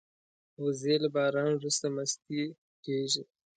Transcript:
وزې له باران وروسته مستې کېږي